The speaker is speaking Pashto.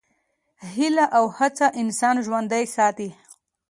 هیله او هڅه انسان ژوندی ساتي.